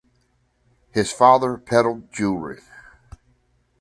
His father peddled jewellery.